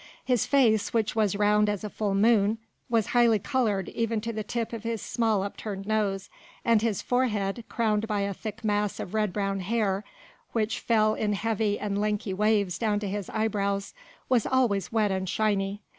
His face, which was round as a full moon, was highly coloured even to the tip of his small upturned nose, and his forehead, crowned by a thick mass of red brown hair which fell in heavy and lanky waves down to his eyebrows, was always wet and shiny.